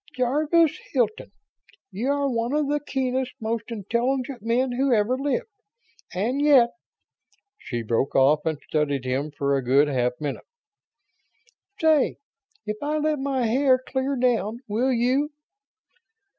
"Jarvis Hilton, you are one of the keenest, most intelligent men who ever lived. And yet ..." She broke off and studied him for a good half minute. "Say, if I let my hair clear down, will you?"